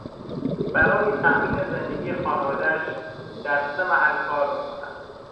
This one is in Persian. برای تامین زندگی خانوادهاش درسه محل کار میکند.